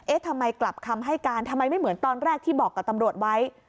ทำไมกลับคำให้การทำไมไม่เหมือนตอนแรกที่บอกกับตำรวจไว้